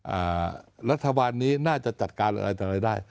อ่ารัฐบาลนี้น่าจะจัดการอะไรได้